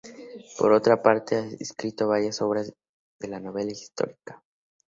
Por otra parte, ha escrito varias obras de novela histórica.